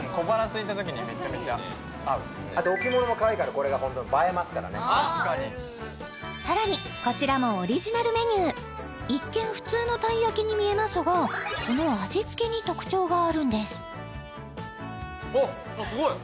すいたときにメチャメチャ合う・あと置物もかわいいからこれがホントに映えますからねさらにこちらもオリジナルメニュー一見普通のたい焼きに見えますがその味付けに特徴があるんですおっすごい！